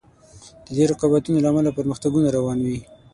د دې رقابتونو له امله پرمختګونه روان وي.